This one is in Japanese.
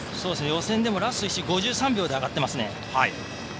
予選でもラスト１周５３秒で入っています。